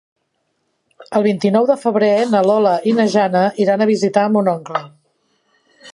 El vint-i-nou de febrer na Lola i na Jana iran a visitar mon oncle.